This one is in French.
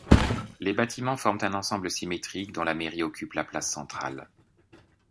Les bâtiments forment un ensemble symétrique dont la mairie occupe la place centrale.